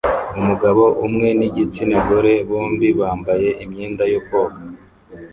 Umugabo umwe nigitsina gore (bombi bambaye imyenda yo koga